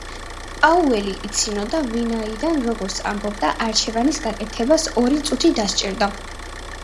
პაუელი იცინოდა, ვინაიდან, როგორც ამბობდა, არჩევანის გაკეთებას ორი წუთი დასჭირდა.